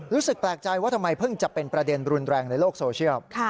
รู้สึกแปลกใจว่าทำไมเพิ่งจะเป็นประเด็นรุนแรงในโลกโซเชียล